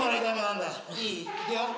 いい？